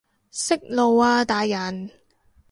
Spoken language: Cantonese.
息怒啊大人